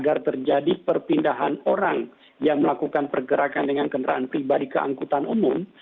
agar terjadi perpindahan orang yang melakukan pergerakan dengan kendaraan pribadi ke angkutan umum